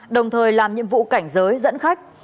đồng thời làm nhiệm vụ cảnh giới dẫn khách